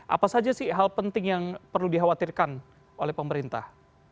apa saja sih hal penting yang perlu dikhawatirkan oleh pemerintah